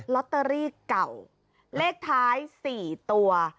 ลอตเตอรี่เก่าเลขท้าย๔ตัว